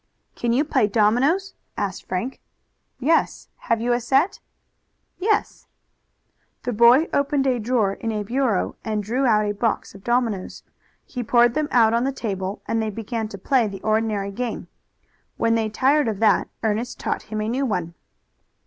"Can you play dominoes?" asked Frank. "Yes; have you a set?" "Yes." The boy opened a drawer in a bureau and drew out a box of dominoes. He poured them out on the table and they began to play the ordinary game. When they tired of that Ernest taught him a new one.